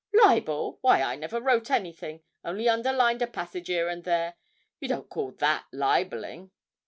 'Libel! Why, I never wrote anything only underlined a passage 'ere and there. You don't call that libelling!'